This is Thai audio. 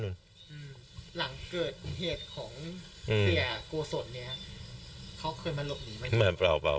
หลังเกิดเหตุของเกลียกลัวสดเนี่ยเขาเคยมาหลบหนีไหม